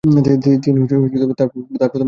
তিনি তার প্রথম দ্বি-শতক করেন।